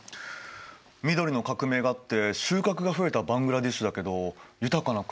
緑の革命があって収穫が増えたバングラデシュだけど豊かな国になったのかな？